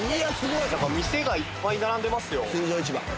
店がいっぱい並んでますよ。